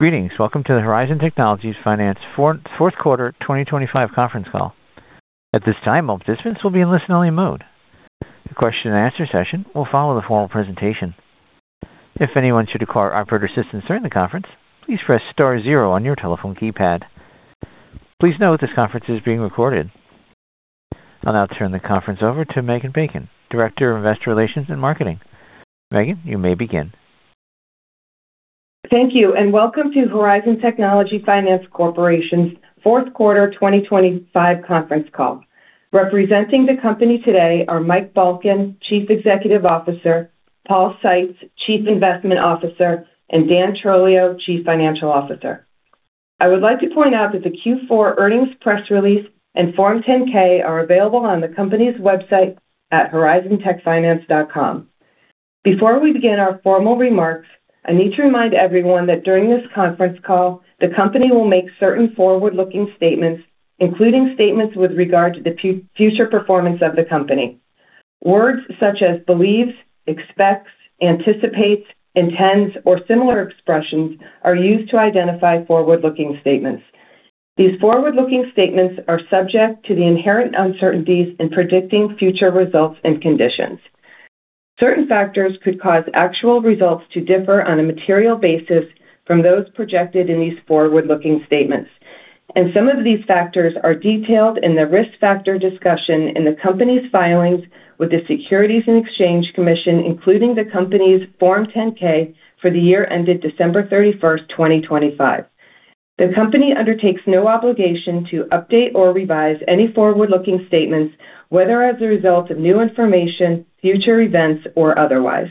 Greetings. Welcome to the Horizon Technology Finance Q4 2025 conference call. At this time, all participants will be in listen-only mode. The question and answer session will follow the formal presentation. If anyone should require operator assistance during the conference, please press * 0 on your telephone keypad. Please note this conference is being recorded. I'll now turn the conference over to Megan Bacon, Director of Investor Relations and Marketing. Megan, you may begin. Thank you, and welcome to Horizon Technology Finance Corporation's Q4 2025 conference call. Representing the company today are Mike Balkin, Chief Executive Officer, Paul Seitz, Chief Investment Officer, and Dan Trolio, Chief Financial Officer. I would like to point out that the Q4 earnings press release and Form 10-K are available on the company's website at horizontechfinance.com. Before we begin our formal remarks, I need to remind everyone that during this conference call, the company will make certain forward-looking statements, including statements with regard to the future performance of the company. Words such as believes, expects, anticipates, intends, or similar expressions are used to identify forward-looking statements. These forward-looking statements are subject to the inherent uncertainties in predicting future results and conditions. Certain factors could cause actual results to differ on a material basis from those projected in these forward-looking statements, and some of these factors are detailed in the risk factor discussion in the company's filings with the Securities and Exchange Commission, including the company's Form 10-K for the year ended December 31st, 2025. The company undertakes no obligation to update or revise any forward-looking statements, whether as a result of new information, future events, or otherwise.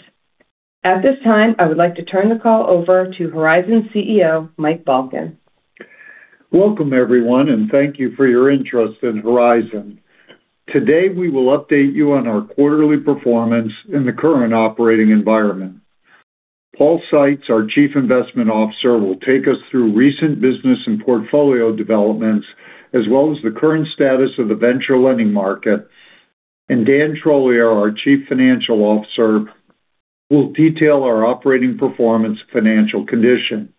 At this time, I would like to turn the call over to Horizon Technology Finance's CEO, Mike Balkin. Welcome, everyone, and thank you for your interest in Horizon. Today, we will update you on our quarterly performance in the current operating environment. Paul Seitz, our Chief Investment Officer, will take us through recent business and portfolio developments as well as the current status of the venture lending market. Dan Trolio, our Chief Financial Officer, will detail our operating performance financial condition.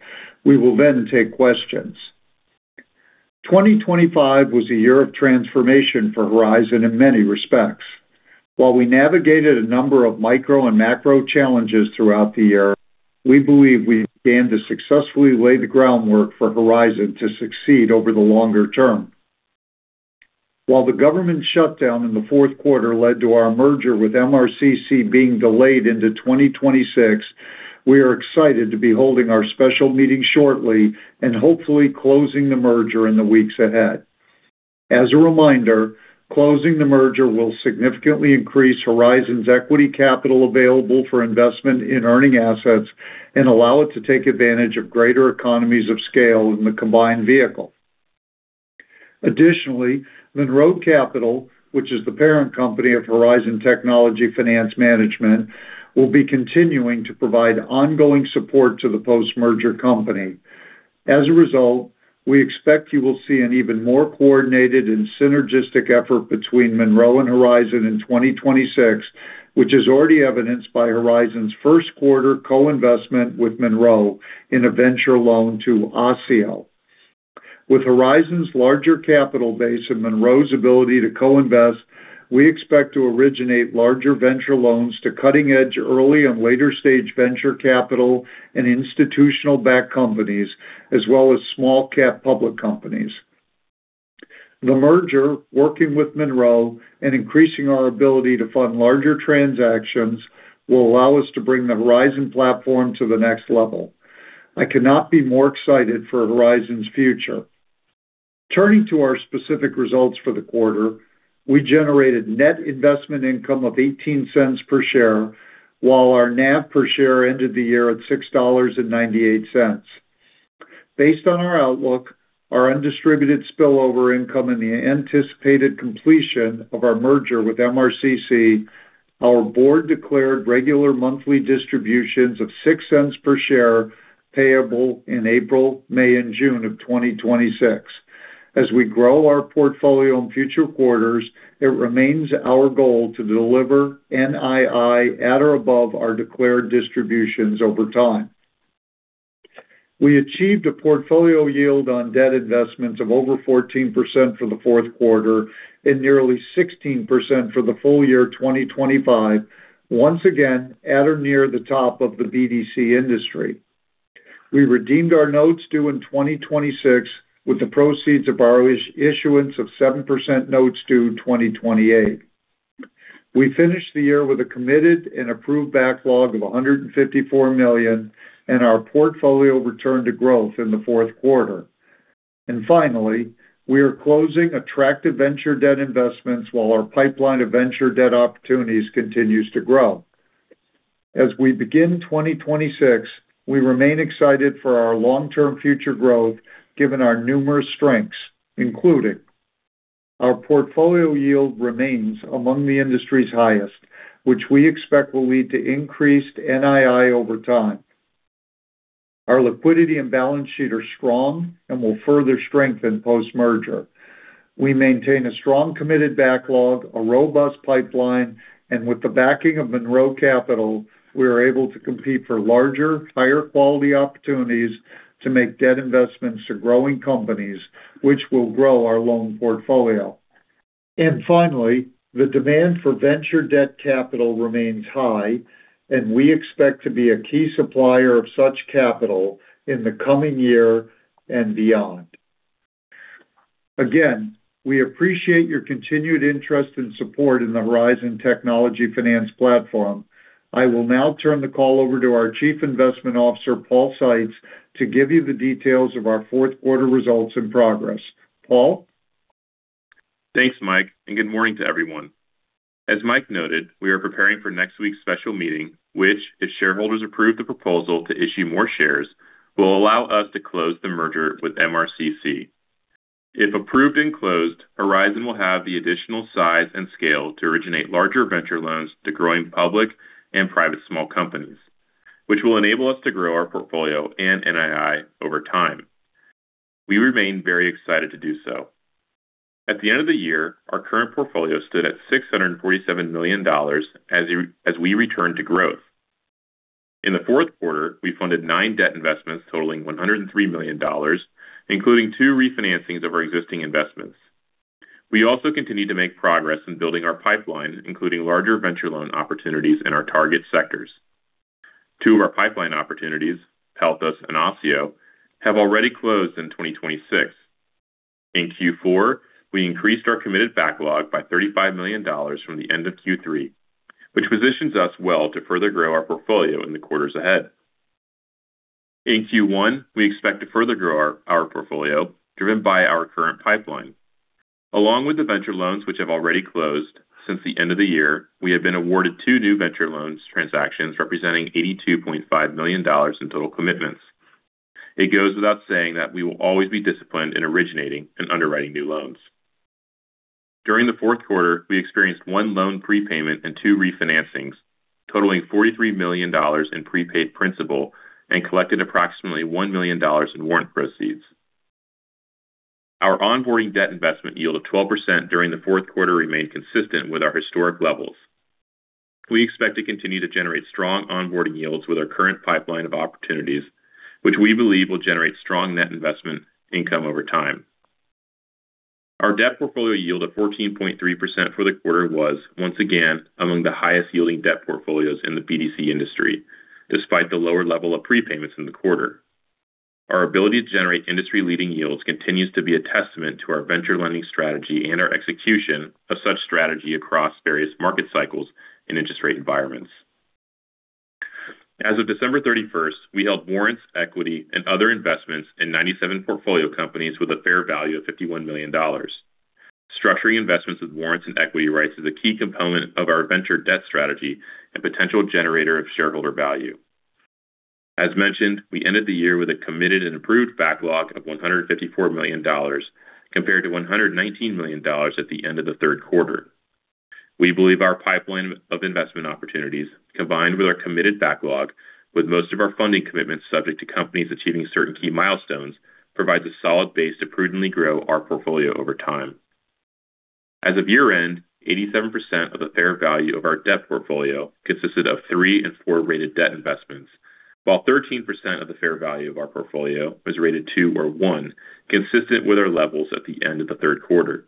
We will then take questions. 2025 was a year of transformation for Horizon in many respects. While we navigated a number of micro and macro challenges throughout the year, we believe we began to successfully lay the groundwork for Horizon to succeed over the longer term. While the government shutdown in the Q4 led to our merger with MRCC being delayed into 2026, we are excited to be holding our special meeting shortly and hopefully closing the merger in the weeks ahead. As a reminder, closing the merger will significantly increase Horizon's equity capital available for investment in earning assets and allow it to take advantage of greater economies of scale in the combined vehicle. Additionally, Monroe Capital, which is the parent company of Horizon Technology Finance Management, will be continuing to provide ongoing support to the post-merger company. As a result, we expect you will see an even more coordinated and synergistic effort between Monroe and Horizon in 2026, which is already evidenced by Horizon's Q1 co-investment with Monroe in a venture loan to OSSIO. With Horizon's larger capital base and Monroe's ability to co-invest, we expect to originate larger venture loans to cutting-edge early and later-stage venture capital and institutional-backed companies, as well as small cap public companies. The merger, working with Monroe and increasing our ability to fund larger transactions, will allow us to bring the Horizon platform to the next level. I cannot be more excited for Horizon's future. Turning to our specific results for the quarter, we generated net investment income of $0.18 per share, while our NAV per share ended the year at $6.98. Based on our outlook, our undistributed spillover income, and the anticipated completion of our merger with MRCC, our board declared regular monthly distributions of $0.06 per share payable in April, May, and June of 2026. As we grow our portfolio in future quarters, it remains our goal to deliver NII at or above our declared distributions over time. We achieved a portfolio yield on debt investments of over 14% for the Q4 and nearly 16% for the full year 2025, once again at or near the top of the BDC industry. We redeemed our notes due in 2026 with the proceeds of our issuance of 7% notes due 2028. We finished the year with a committed and approved backlog of $154 million, and our portfolio returned to growth in the Q4. Finally, we are closing attractive venture debt investments while our pipeline of venture debt opportunities continues to grow. As we begin 2026, we remain excited for our long-term future growth given our numerous strengths, including our portfolio yield remains among the industry's highest, which we expect will lead to increased NII over time. Our liquidity and balance sheet are strong and will further strengthen post-merger. We maintain a strong, committed backlog, a robust pipeline, and with the backing of Monroe Capital, we are able to compete for larger, higher quality opportunities to make debt investments to growing companies, which will grow our loan portfolio. Finally, the demand for venture debt capital remains high, and we expect to be a key supplier of such capital in the coming year and beyond. Again, we appreciate your continued interest and support in the Horizon Technology Finance platform. I will now turn the call over to our Chief Investment Officer, Paul Seitz, to give you the details of our Q4 results and progress. Paul? Thanks, Mike. Good morning to everyone. As Mike noted, we are preparing for next week's special meeting, which, if shareholders approve the proposal to issue more shares, will allow us to close the merger with MRCC. If approved and closed, Horizon will have the additional size and scale to originate larger venture loans to growing public and private small companies, which will enable us to grow our portfolio and NII over time. We remain very excited to do so. At the end of the year, our current portfolio stood at $647 million as we return to growth. In the Q4, we funded 9 debt investments totaling $103 million, including 2 refinancings of our existing investments. We also continued to make progress in building our pipeline, including larger venture loan opportunities in our target sectors. 2 of our pipeline opportunities, Pelthos and OSSIO, have already closed in 2026. In Q4, we increased our committed backlog by $35 million from the end of Q3, which positions us well to further grow our portfolio in the quarters ahead. In Q1, we expect to further grow our portfolio driven by our current pipeline. Along with the venture loans, which have already closed since the end of the year, we have been awarded 2 new venture loans transactions, representing $82.5 million in total commitments. It goes without saying that we will always be disciplined in originating and underwriting new loans. During the Q4, we experienced 1 loan prepayment and 2 refinancings totaling $43 million in prepaid principal and collected approximately $1 million in warrant proceeds. Our onboarding debt investment yield of 12% during the Q4 remained consistent with our historic levels. We expect to continue to generate strong onboarding yields with our current pipeline of opportunities, which we believe will generate strong net investment income over time. Our debt portfolio yield of 14.3% for the quarter was once again among the highest-yielding debt portfolios in the BDC industry, despite the lower level of prepayments in the quarter. Our ability to generate industry-leading yields continues to be a testament to our venture lending strategy and our execution of such strategy across various market cycles and interest rate environments. As of December 31st, we held warrants, equity, and other investments in 97 portfolio companies with a fair value of $51 million. Structuring investments with warrants and equity rights is a key component of our venture debt strategy and potential generator of shareholder value. As mentioned, we ended the year with a committed and approved backlog of $154 million compared to $119 million at the end of the Q3. We believe our pipeline of investment opportunities, combined with our committed backlog with most of our funding commitments subject to companies achieving certain key milestones, provides a solid base to prudently grow our portfolio over time. As of year-end, 87% of the fair value of our debt portfolio consisted of 3 and 4 rated debt investments, while 13% of the fair value of our portfolio was rated 2 or 1, consistent with our levels at the end of the Q3.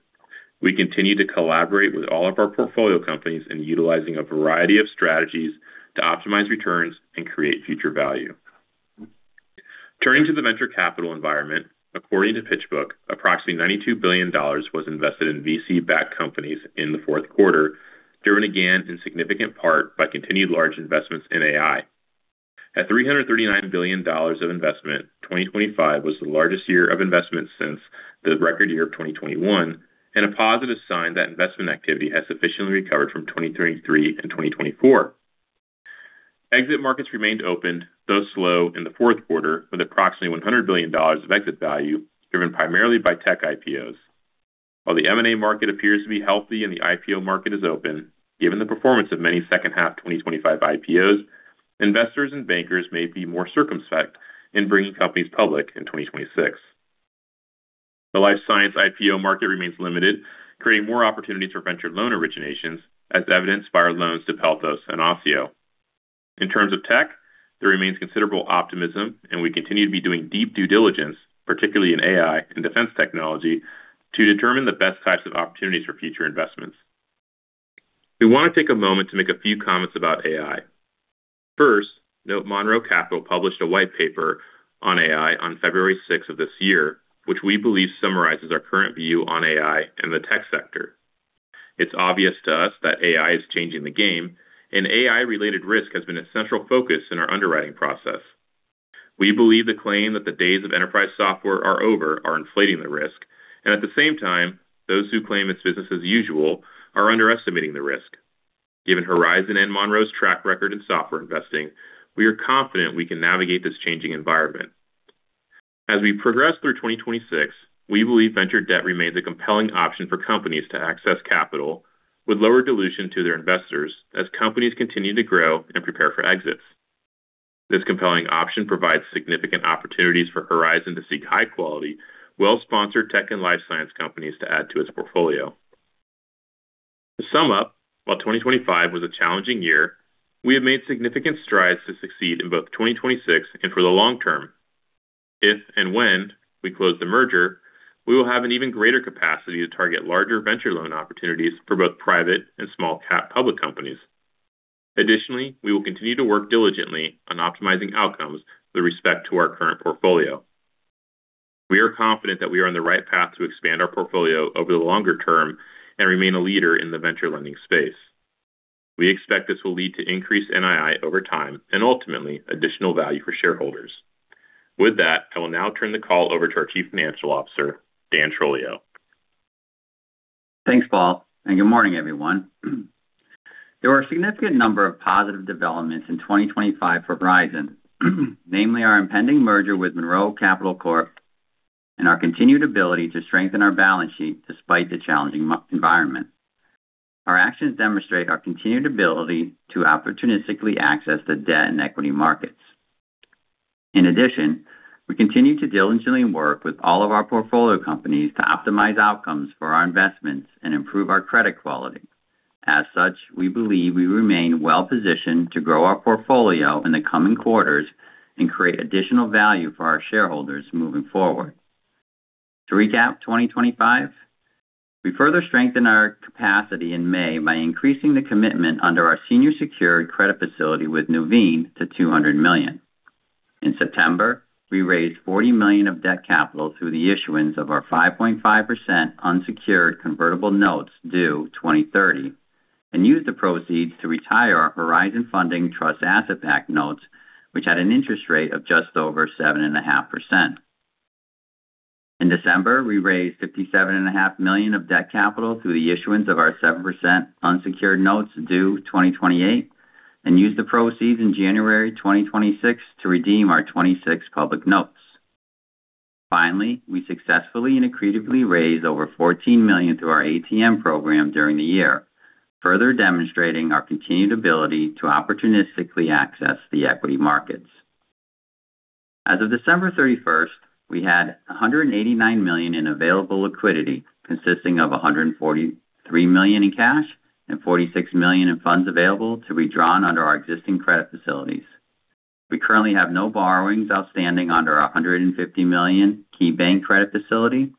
We continue to collaborate with all of our portfolio companies in utilizing a variety of strategies to optimize returns and create future value. Turning to the venture capital environment. According to PitchBook, approximately $92 billion was invested in VC-backed companies in the Q4, driven again in significant part by continued large investments in AI. At $339 billion of investment, 2025 was the largest year of investment since the record year of 2021 and a positive sign that investment activity has sufficiently recovered from 2023 and 2024. Exit markets remained opened, though slow in the Q4, with approximately $100 billion of exit value driven primarily by tech IPOs. While the M&A market appears to be healthy and the IPO market is open, given the performance of many H2 2025 IPOs, investors and bankers may be more circumspect in bringing companies public in 2026. The life science IPO market remains limited, creating more opportunities for ventured loan originations, as evidenced by our loans to Pelthos and OSSIO. In terms of tech, there remains considerable optimism, and we continue to be doing deep due diligence, particularly in AI and defense technology, to determine the best types of opportunities for future investments. We want to take a moment to make a few comments about AI. First, note Monroe Capital published a white paper on AI on February 6 of this year, which we believe summarizes our current view on AI in the tech sector. It's obvious to us that AI is changing the game, and AI-related risk has been a central focus in our underwriting process. We believe the claim that the days of enterprise software are over are inflating the risk, and at the same time, those who claim it's business as usual are underestimating the risk. Given Horizon and Monroe's track record in software investing, we are confident we can navigate this changing environment. As we progress through 2026, we believe venture debt remains a compelling option for companies to access capital with lower dilution to their investors as companies continue to grow and prepare for exits. This compelling option provides significant opportunities for Horizon to seek high quality, well-sponsored tech and life science companies to add to its portfolio. To sum up, while 2025 was a challenging year, we have made significant strides to succeed in both 2026 and for the long term. If and when we close the merger, we will have an even greater capacity to target larger venture loan opportunities for both private and small cap public companies. We will continue to work diligently on optimizing outcomes with respect to our current portfolio. We are confident that we are on the right path to expand our portfolio over the longer term and remain a leader in the venture lending space. We expect this will lead to increased NII over time and ultimately additional value for shareholders. With that, I will now turn the call over to our Chief Financial Officer, Dan Trolio. Thanks, Paul. Good morning, everyone. There were a significant number of positive developments in 2025 for Horizon, namely our impending merger with Monroe Capital Corporation, and our continued ability to strengthen our balance sheet despite the challenging environment. Our actions demonstrate our continued ability to opportunistically access the debt and equity markets. In addition, we continue to diligently work with all of our portfolio companies to optimize outcomes for our investments and improve our credit quality. As such, we believe we remain well positioned to grow our portfolio in the coming quarters and create additional value for our shareholders moving forward. To recap, 2025, we further strengthened our capacity in May by increasing the commitment under our senior secured credit facility with Nuveen to $200 million. In September, we raised $40 million of debt capital through the issuance of our 5.5% unsecured convertible notes due 2030, and used the proceeds to retire our Horizon Funding Trust Asset-Backed Notes, which had an interest rate of just over 7.5%. In December, we raised $57.5 million of debt capital through the issuance of our 7% unsecured notes due 2028 and used the proceeds in January 2026 to redeem our 26 public notes. Finally, we successfully and accretively raised over $14 million through our ATM program during the year, further demonstrating our continued ability to opportunistically access the equity markets. As of December 31st, we had $189 million in available liquidity consisting of $143 million in cash and $46 million in funds available to be drawn under our existing credit facilities. We currently have no borrowings outstanding under our $150 million KeyBank credit facility,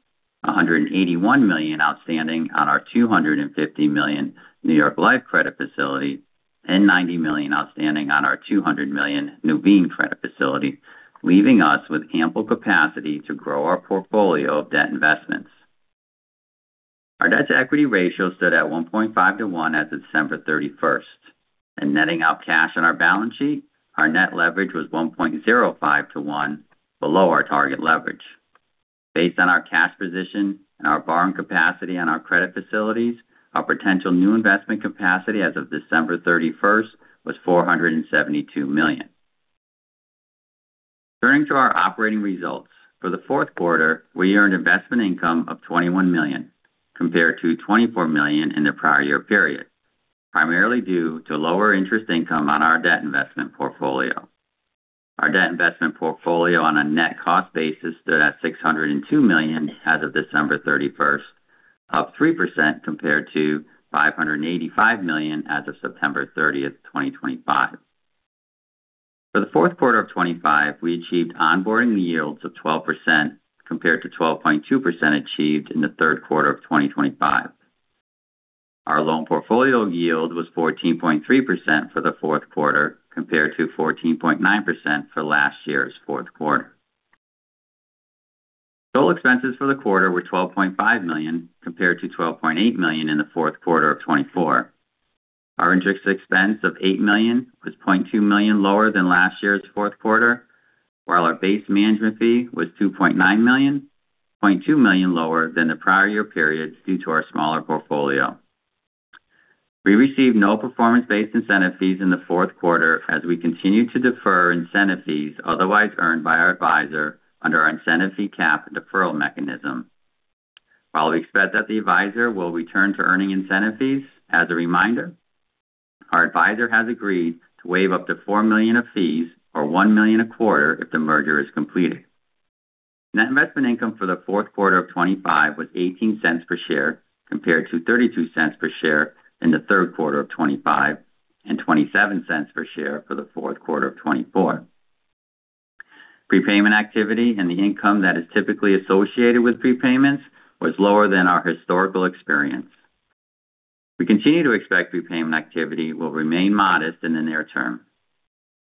$181 million outstanding on our $250 million New York Life credit facility, and $90 million outstanding on our $200 million Nuveen credit facility, leaving us with ample capacity to grow our portfolio of debt investments. Our debt-to-equity ratio stood at 1.5 to 1 as of December 31st, and netting out cash on our balance sheet, our net leverage was 1.05 to 1 below our target leverage. Based on our cash position and our borrowing capacity on our credit facilities, our potential new investment capacity as of December 31st was $472 million. Turning to our operating results. For the Q4, we earned investment income of $21 million compared to $24 million in the prior year period, primarily due to lower interest income on our debt investment portfolio. Our debt investment portfolio on a net cost basis stood at $602 million as of December 31st, up 3% compared to $585 million as of September 30th, 2025. For the Q4 of 2025, we achieved onboarding yields of 12% compared to 12.2% achieved in the Q3 of 2025. Our loan portfolio yield was 14.3% for the Q4 compared to 14.9% for last year's Q4. Total expenses for the quarter were $12.5 million compared to $12.8 million in the Q4 of 2024. Our interest expense of $8 million was $0.2 million lower than last year's Q4, while our base management fee was $2.9 million, $0.2 million lower than the prior year period due to our smaller portfolio. We received no performance-based incentive fees in the Q4 as we continue to defer incentive fees otherwise earned by our advisor under our incentive fee cap and deferral mechanism. We expect that the advisor will return to earning incentive fees as a reminder, our advisor has agreed to waive up to $4 million of fees or $1 million a quarter if the merger is completed. Net investment income for the Q4 of 2025 was $0.18 per share compared to $0.32 per share in the Q3 of 2025 and $0.27 per share for the Q4 of 2024. Prepayment activity and the income that is typically associated with prepayments was lower than our historical experience. We continue to expect prepayment activity will remain modest in the near term.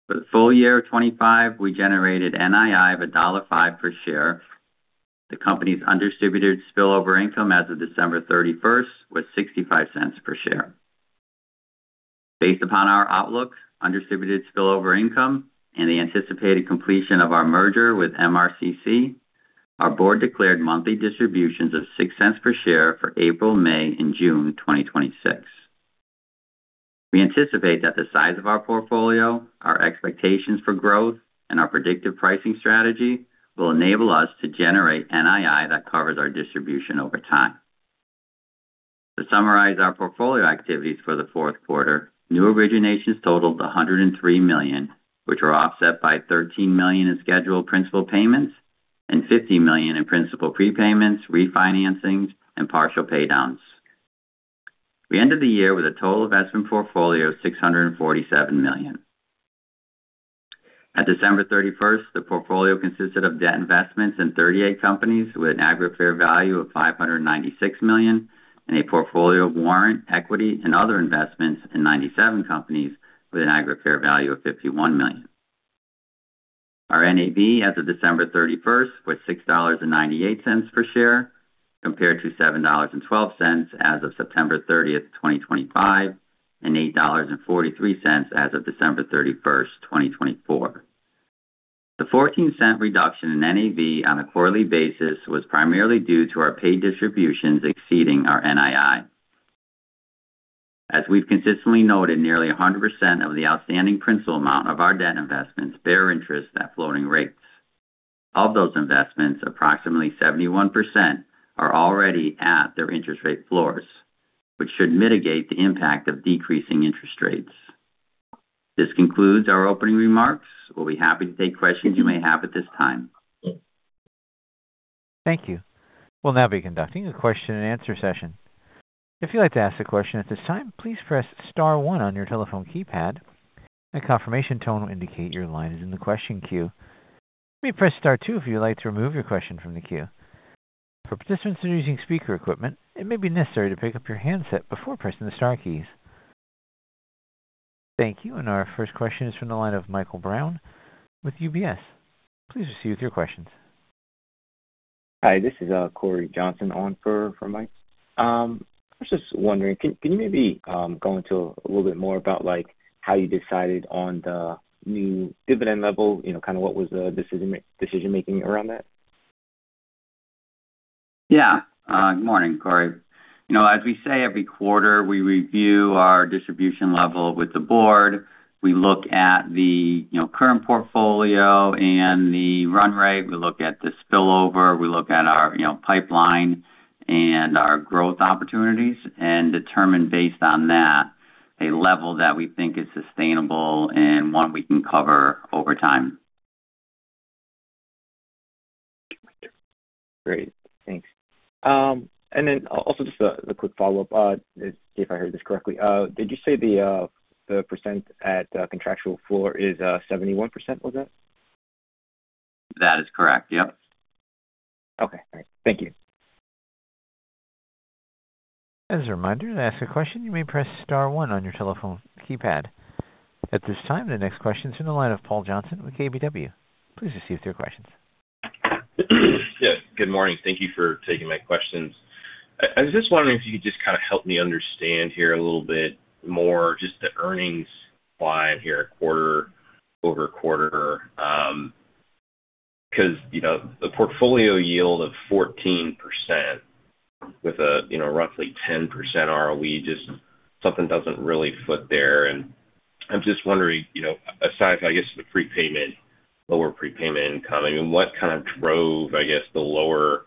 For the full year of 2025, we generated NII of $1.05 per share. The company's undistributed spillover income as of December 31st was $0.65 per share. Based upon our outlook, undistributed spillover income and the anticipated completion of our merger with MRCC, our board declared monthly distributions of $0.06 per share for April, May and June 2026. We anticipate that the size of our portfolio, our expectations for growth, and our predictive pricing strategy will enable us to generate NII that covers our distribution over time. To summarize our portfolio activities for the Q4, new originations totaled $103 million, which were offset by $13 million in scheduled principal payments and $15 million in principal prepayments, refinancings, and partial pay downs. We ended the year with a total investment portfolio of $647 million. At December 31st, the portfolio consisted of debt investments in 38 companies with an aggregate fair value of $596 million and a portfolio of warrant, equity and other investments in 97 companies with an aggregate fair value of $51 million. Our NAV as of December 31st was $6.98 per share, compared to $7.12 as of September 30th, 2025, and $8.43 as of December 31st, 2024. The $0.14 reduction in NAV on a quarterly basis was primarily due to our paid distributions exceeding our NII. As we've consistently noted, nearly 100% of the outstanding principal amount of our debt investments bear interest at floating rates. Of those investments, approximately 71% are already at their interest rate floors, which should mitigate the impact of decreasing interest rates. This concludes our opening remarks. We'll be happy to take questions you may have at this time. Thank you. We'll now be conducting a question-and-answer session. If you'd like to ask a question at this time, please press * 1 on your telephone keypad. A confirmation tone will indicate your line is in the question queue. You may press * 2 if you would like to remove your question from the queue. For participants that are using speaker equipment, it may be necessary to pick up your handset before pressing the * keys. Thank you. Our 1st question is from the line of Michael Brown with UBS. Please proceed with your questions. Hi, this is Cory Johnson on for Mike. I was just wondering, can you maybe go into a little bit more about, like, how you decided on the new dividend level? You know, kind of what was the decision making around that? Good morning, Corey. You know, as we say, every quarter, we review our distribution level with the board. We look at the, you know, current portfolio and the run rate. We look at the spillover. We look at our, you know, pipeline and our growth opportunities and determine based on that a level that we think is sustainable and 1 we can cover over time. Great. Thanks. Also just a quick follow-up. See if I heard this correctly. Did you say the percent at contractual floor is 71%, was it? That is correct. Yep. Okay, great. Thank you. As a reminder, to ask a question, you may press * 1 on your telephone keypad. At this time, the next question's from the line of Paul Johnson with KBW. Please proceed with your questions. Good morning. Thank you for taking my questions. I was just wondering if you could just kind of help me understand here a little bit more just the earnings slide here quarter-over-quarter, 'cause, you know, a portfolio yield of 14% with a, you know, roughly 10% ROE, just something doesn't really fit there. I'm just wondering, you know, aside from, I guess, the lower prepayment income, I mean, what kind of drove, I guess, the lower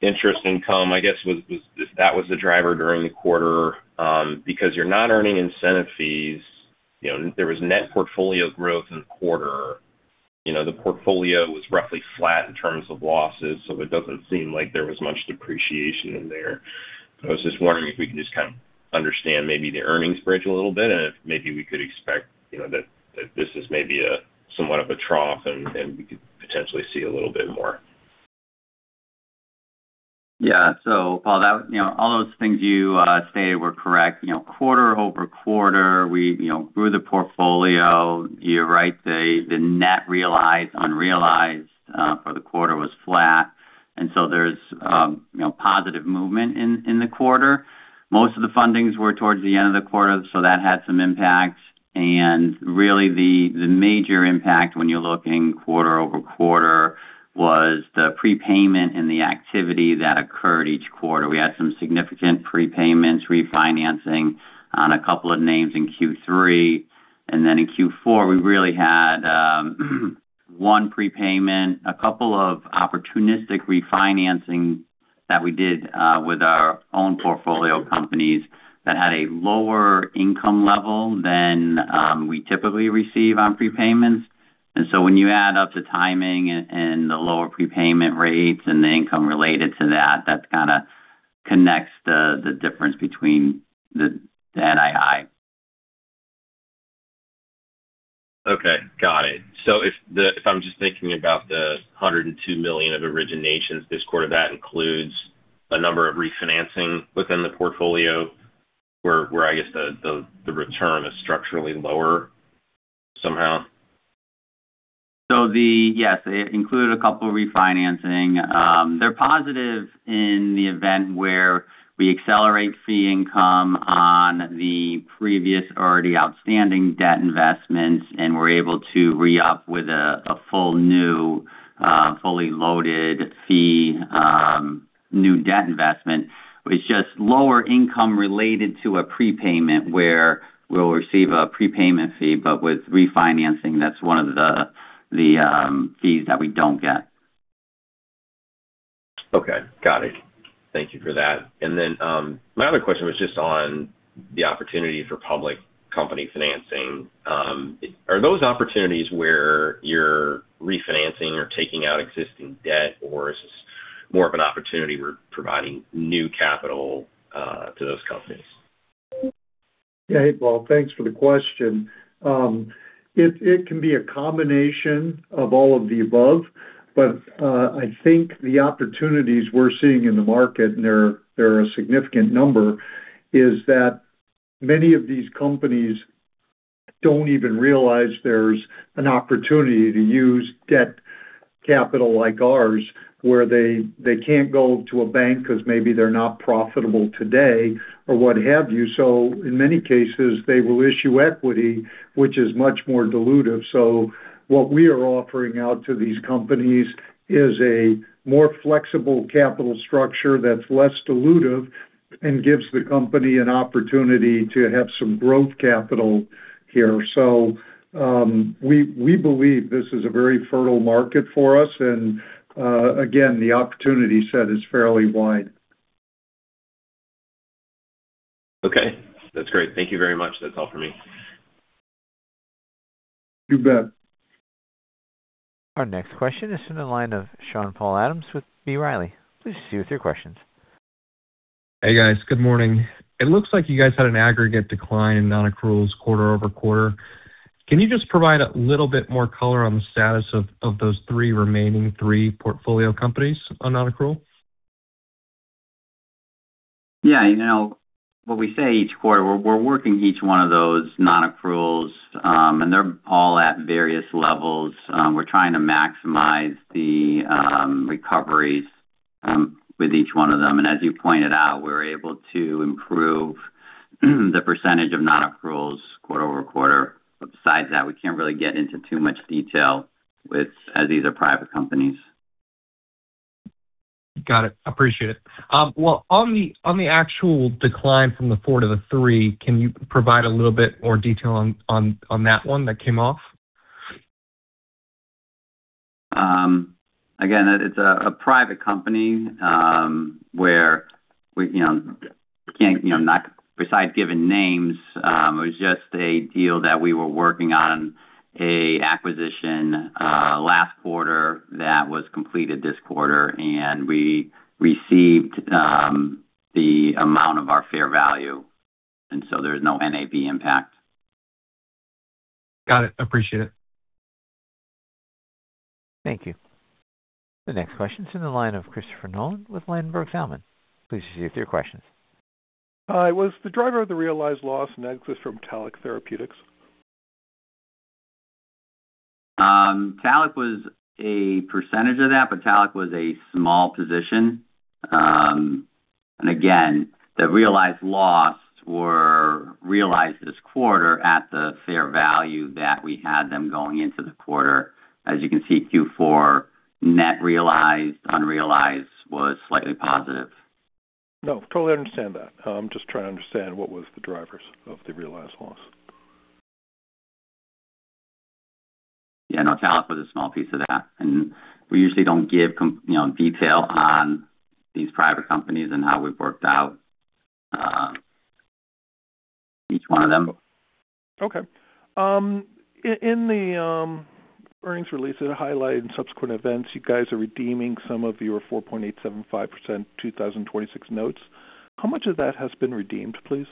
interest income? I guess, was if that was the driver during the quarter, because you're not earning incentive fees. You know, there was net portfolio growth in the quarter. You know, the portfolio was roughly flat in terms of losses, so it doesn't seem like there was much depreciation in there. I was just wondering if we can just kind of understand maybe the earnings bridge a little bit and if maybe we could expect, you know, that this is maybe a somewhat of a trough and we could potentially see a little bit more. Paul, you know, all those things you stated were correct. You know, quarter-over-quarter, we, you know, grew the portfolio. You're right. The net realized, unrealized for the quarter was flat. There's, you know, positive movement in the quarter. Most of the fundings were towards the end of the quarter, that had some impact. Really the major impact when you're looking quarter-over-quarter was the prepayment and the activity that occurred each quarter. We had some significant prepayments, refinancing on a couple of names in Q3. In Q4 we really had 1 prepayment, a couple of opportunistic refinancing that we did with our own portfolio companies that had a lower income level than we typically receive on prepayments. When you add up the timing and the lower prepayment rates and the income related to that kinda connects the difference between the NII. Okay. Got it. If I'm just thinking about the $102 million of originations this quarter, that includes a number of refinancing within the portfolio where I guess the return is structurally lower somehow? Yes, it included a couple refinancing. They're positive in the event where we accelerate fee income on the previous already outstanding debt investments, and we're able to re-up with a full new, fully loaded fee, new debt investment. It's just lower income related to a prepayment where we'll receive a prepayment fee. With refinancing, that's one of the fees that we don't get. Okay, got it. Thank you for that. My other question was just on the opportunity for public company financing. Are those opportunities where you're refinancing or taking out existing debt, or is this more of an opportunity where providing new capital to those companies? Hey, Paul, thanks for the question. It can be a combination of all of the above, but I think the opportunities we're seeing in the market, and they're a significant number, is that many of these companies don't even realize there's an opportunity to use debt capital like ours, where they can't go to a bank because maybe they're not profitable today or what have you. In many cases, they will issue equity, which is much more dilutive. What we are offering out to these companies is a more flexible capital structure that's less dilutive and gives the company an opportunity to have some growth capital here. We believe this is a very fertile market for us. Again, the opportunity set is fairly wide. Okay, that's great. Thank you very much. That's all for me. You bet. Our next question is in the line of Sean-Paul Adams with B. Riley. Please proceed with your questions. Hey, guys. Good morning. It looks like you guys had an aggregate decline in non-accruals quarter-over-quarter. Can you just provide a little bit more color on the status of those 3 remaining portfolio companies on non-accrual? You know, what we say each quarter, we're working each one of those non-accruals, and they're all at various levels. We're trying to maximize the recoveries, with each one of them. As you pointed out, we're able to improve the percentage of non-accruals quarter-over-quarter. Besides that, we can't really get into too much detail as these are private companies. Got it. Appreciate it. On the actual decline from the 4 to the 3, can you provide a little bit more detail on that 1 that came off? again, it's a private company, where we, you know, can't besides giving names, it was just a deal that we were working on, an acquisition, last quarter that was completed this quarter, and we received the amount of our fair value, and so there's no NAV impact. Got it. Appreciate it. Thank you. The next question is in the line of Christopher Nolan with Ladenburg Thalmann. Please proceed with your question. Hi. Was the driver of the realized loss net from Tallac Therapeutics? Tallac was a percentage of that. Tallac was a small position. Again, the realized loss were realized this quarter at the fair value that we had them going into the quarter. As you can see, Q4 net realized, unrealized was slightly positive. No, totally understand that. I'm just trying to understand what was the drivers of the realized loss. No, Tallac was a small piece of that. We usually don't give you know, detail on these private companies and how we've worked out each one of them. Okay. in the earnings release, it highlighted in subsequent events you guys are redeeming some of your 4.875% 2026 notes. How much of that has been redeemed, please?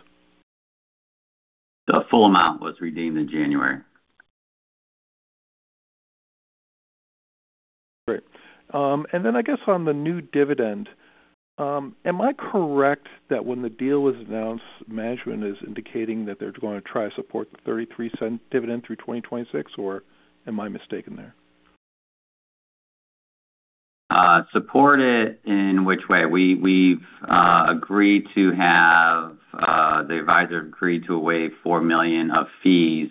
The full amount was redeemed in January. Great. I guess on the new dividend, am I correct that when the deal is announced, management is indicating that they're going to try to support the $0.33 dividend through 2026, or am I mistaken there? Support it in which way? We've agreed to have the advisor agreed to waive $4 million of fees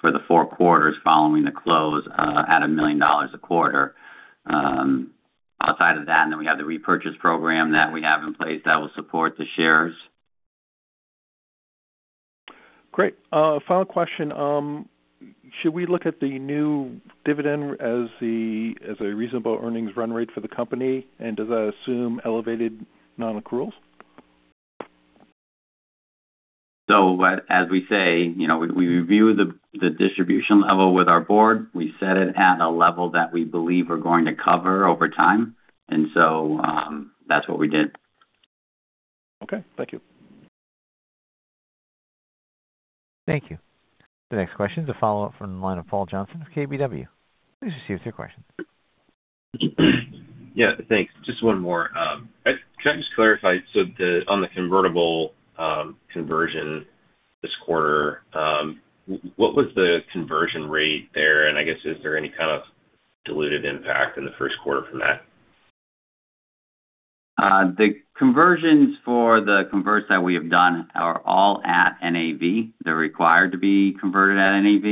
for the 4 quarters following the close, at $1 million a quarter. Outside of that, and then we have the repurchase program that we have in place that will support the shares. Great. final question. should we look at the new dividend as a reasonable earnings run rate for the company? Does that assume elevated non-accruals? As we say, you know, we review the distribution level with our board. We set it at a level that we believe we're going to cover over time. That's what we did. Okay, thank you. Thank you. The next question is a follow-up from the line of Paul Johnson of KBW. Please proceed with your question. Thanks. Just 1 more. Can I just clarify, on the convertible conversion this quarter, what was the conversion rate there? I guess, is there any kind of diluted impact in the Q1 from that? The conversions for the converts that we have done are all at NAV. They're required to be converted at NAV.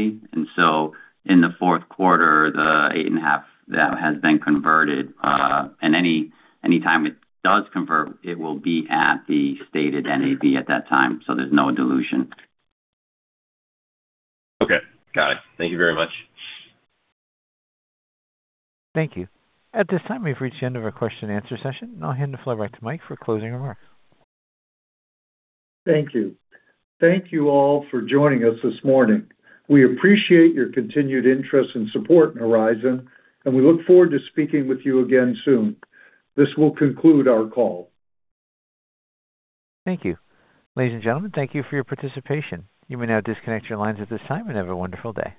In the Q4, the 8.5 that has been converted, and anytime it does convert, it will be at the stated NAV at that time, so there's no dilution. Okay. Got it. Thank you very much. Thank you. At this time, we've reached the end of our question and answer session. I'll hand the floor back to Mike for closing remarks. Thank you. Thank you all for joining us this morning. We appreciate your continued interest and support in Horizon, and we look forward to speaking with you again soon. This will conclude our call. Thank you. Ladies and gentlemen, thank you for your participation. You may now disconnect your lines at this time and have a wonderful day.